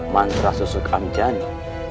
mantra susuk amitianya